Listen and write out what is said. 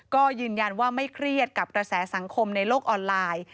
ก็ยืนยันว่าไม่เครียดกับกระแสสังคมในโลกออนไลน์